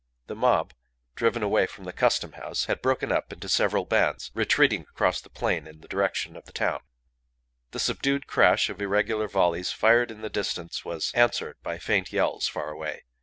The mob, driven away from the Custom House, had broken up into several bands, retreating across the plain in the direction of the town. The subdued crash of irregular volleys fired in the distance was answered by faint yells far away.